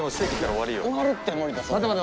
終わるって森田さん。